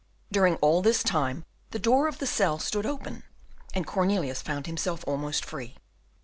During all this time the door of the cell stood open and Cornelius found himself almost free.